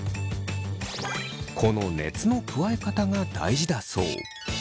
この熱の加え方が大事だそう。